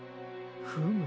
フム。